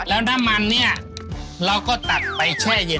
แล้วน้ำมันเนี่ยเราก็ตัดไปแช่เย็น